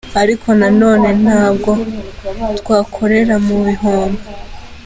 Ariko nanone ntabwo twakorera mu bihombo.